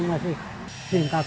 jangan dikatakan enggak ruan